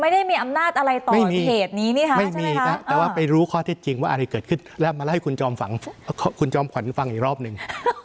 เดี๋ยวรอกรกตนิดนึง